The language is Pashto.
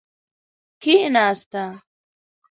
کیناسته.